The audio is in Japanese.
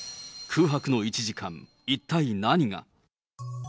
空白の１時間、一体何が。